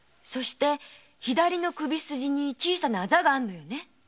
そして左の首筋に小さなアザがあるのよね。